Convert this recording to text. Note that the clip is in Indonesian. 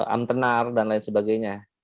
amtenar dan lain sebagainya